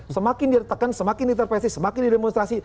semakin ditekan semakin diterpesi semakin didemonstrasi